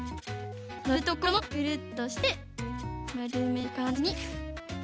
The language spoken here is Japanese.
のるところもクルッとしてまるめるかんじに。